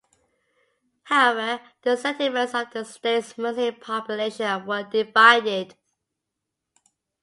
However, the sentiments of the state's Muslim population were divided.